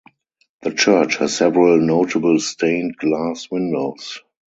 The church has several notable stained glass windows.